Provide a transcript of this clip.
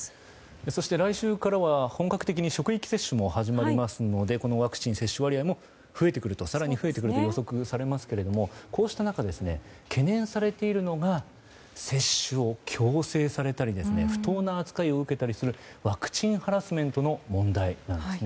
そして来週からは本格的に職域接種も始まりますのでワクチン接種割合も更に増えてくると予測されますけれどもこうした中懸念されているのが接種を強制されたり不当な扱いを受けたりするワクチンハラスメントの問題なんですね。